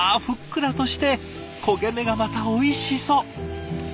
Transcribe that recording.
ふっくらとして焦げ目がまたおいしそう。